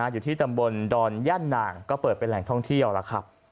อยู่ที่ตำบลดอนย่านหน่างก็เปิดเป็นแหล่งท่องเที่ยวแล้วครับ